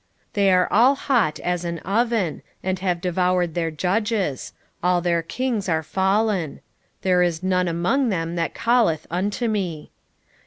7:7 They are all hot as an oven, and have devoured their judges; all their kings are fallen: there is none among them that calleth unto me.